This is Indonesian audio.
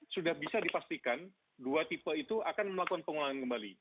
sudah bisa dipastikan dua tipe itu akan melakukan pengulangan kembali